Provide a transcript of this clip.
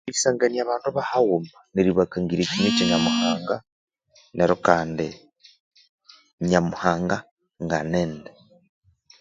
Erisangania abandu bahaghuma neribakangirirya ekinywa kya Nyamuhanga neryo kandi ,Nyamuhanga nga nindi.